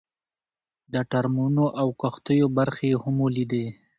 د ټرمونو او کښتیو برخې یې هم ولیدې.